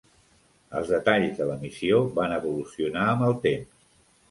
Els detalls de la missió van evolucionar amb el temps.